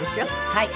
はい。